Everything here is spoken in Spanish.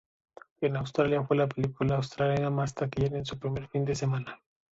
En Australia, fue la película australiana más taquillera en su primer fin de semana.